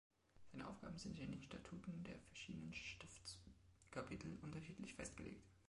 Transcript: Seine Aufgaben sind in den Statuten der verschiedenen Stiftskapitel unterschiedlich festgelegt.